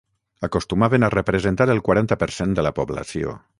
Acostumaven a representar el quaranta per cent -de la població-.